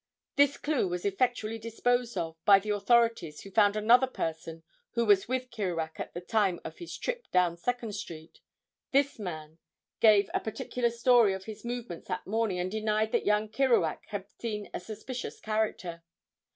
This clue was effectually disposed of by the authorities who found another person who was with Kierouack at the time of his trip down Second street. This man gave a particular story of his movements that morning and denied that young Kierouack had seen a suspicious character.